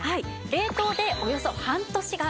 冷凍でおよそ半年が目安です。